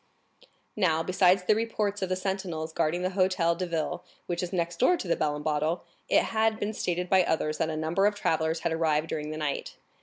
Now, besides the reports of the sentinels guarding the Hôtel de Ville, which is next door to the Bell and Bottle, it had been stated by others that a number of travellers had arrived during the night.